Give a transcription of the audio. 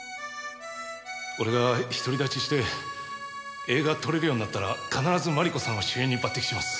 俺が独り立ちして映画撮れるようになったら必ず麻理子さんを主演に抜擢します。